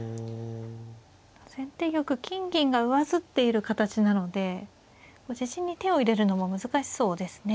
先手玉金銀が上ずっている形なので自陣に手を入れるのも難しそうですね。